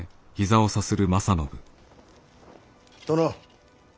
殿。